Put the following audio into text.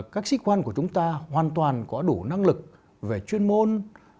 các sĩ quan của chúng ta hoàn toàn có đủ năng lực về chuyên môn